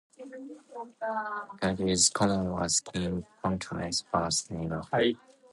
Macgill's Common was Kings Contrivance's first neighborhood.